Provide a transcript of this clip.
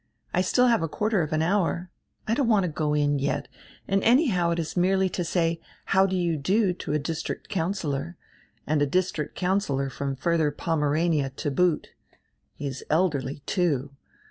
I still have a quarter of an hour. I don't want to go in, yet, and anyhow it is merely to say: 'How do you do?' to a district councillor, and a district councillor from Further Pomerania to boot. He is elderly, too.